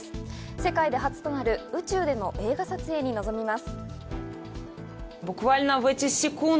世界で初となる宇宙での映画撮影に臨みます。